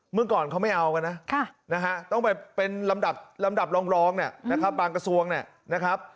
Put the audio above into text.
เมื่อก่อนเขาไม่เอากันนะต้องไปเป็นลำดับร้องนะครับ